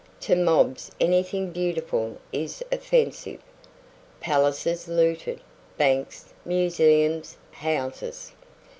To mobs anything beautiful is offensive. Palaces looted, banks, museums, houses.